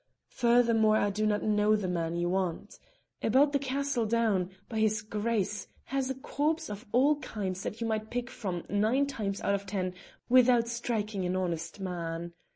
Furthermore, I do not know the man you want. About the castle down by his Grace has a corps of all kinds that you might pick from nine times out of ten without striking an honest man.